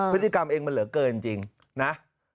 พฤติกรรมเองมันเหลือเกินจริงนะ